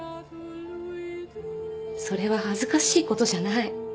それは恥ずかしいことじゃない